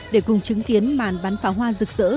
để cùng chứng kiến màn bắn pháo hoa rực rỡ